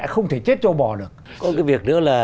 không thể chết cho bò được có một cái việc nữa là